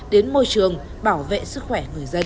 đến môi trường bảo vệ sức khỏe người dân